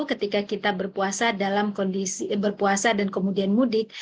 ketika kita berpuasa dalam kondisi berpuasa dan kemudian mudik